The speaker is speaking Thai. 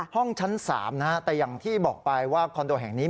ห้องชั้น๓นะฮะแต่อย่างที่บอกไปว่าคอนโดแห่งนี้